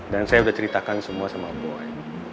dan saya udah ceritakan semua sama boy